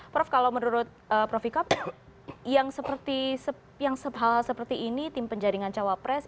prof kalau menurut prof ikam yang hal seperti ini tim penjaringan cawa press